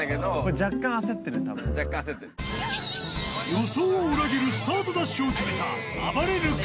［予想を裏切るスタートダッシュを決めたあばれる君］